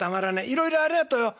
いろいろありがとよ。